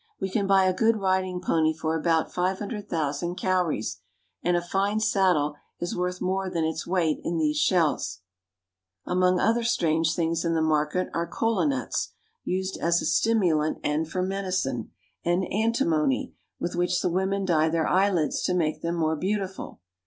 We can buy a good riding pony for about five hundred thousand cowries ; and a fine saddle is worth more than its weight in these shells. Among other strange things in the market are kola nuts, used as a stimulant and for medicine ; and antimony, THE UPPER NIGKK — TIMUUKTU AND JENNK I Jfith which the women dye their eyelids to make them J tnore beautiful.